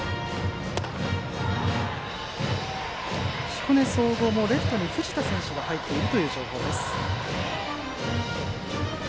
彦根総合、レフトに藤田選手が入っているという情報です。